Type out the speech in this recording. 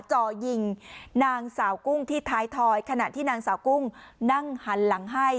จ่อยิงนางสาวกุ้งที่ท้ายทอยขณะที่นางสาวกุ้งนั่งหันหลังให้